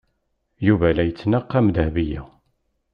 Yuba la yettnaqam Dahbiya.